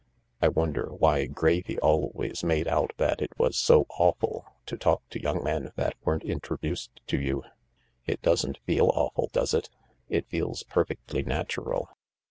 " I wonder why Gravy always made out that it was so awful to talk to young men that weren't introduced to you ? It doesn't feel awful, does it ? It feels perfectly natural."